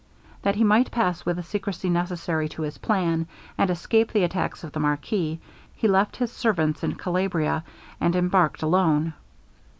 That he might pass with the secrecy necessary to his plan, and escape the attacks of the marquis, he left his servants in Calabria, and embarked alone.